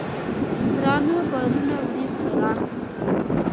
درانه بارونه وړي خوراک